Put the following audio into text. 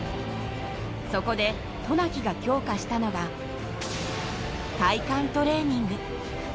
そこで渡名喜が強化したのが、体幹トレーニング。